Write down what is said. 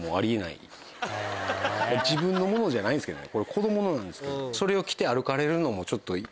自分のものじゃないんですけどね。